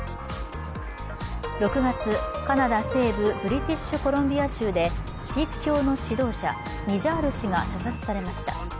６月、カナダ西部ブリティッシュコロンビア州でシーク教の指導者ニジャール氏が射殺されました。